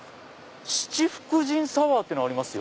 「七福神サワー」ってありますよ。